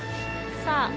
さあ